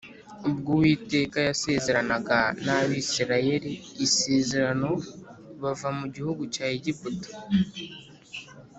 ubwo Uwiteka yasezeranaga n’Abisirayeli isezerano bava mu gihugu cya Egiputa